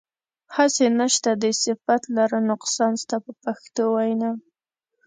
هسې نشته دی صفت لره نقصان ستا په پښتو وینا.